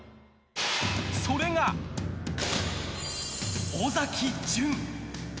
それが、尾崎淳。